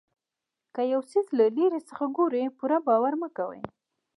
که یو څیز له لرې څخه ګورئ پوره باور مه کوئ.